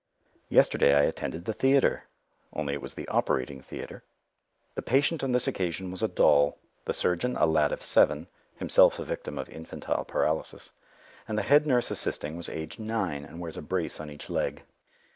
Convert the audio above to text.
Yesterday I attended the theatre, only it was the operating theatre. The patient on this occasion was a doll, the surgeon a lad of seven, himself a victim of infantile paralysis, and the head nurse assisting was aged nine, and wears a brace on each leg.